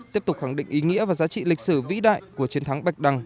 tiếp tục khẳng định ý nghĩa và giá trị lịch sử vĩ đại của chiến thắng bạch đăng